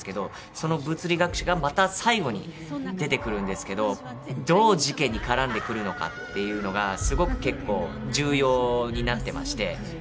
その物理学者がまた最後に出てくるんですけどどう事件に絡んでくるのかっていうのがすごく結構重要になってまして。